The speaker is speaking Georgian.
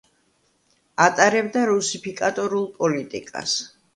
ატარებდა რუსიფიკატორულ პოლიტიკას.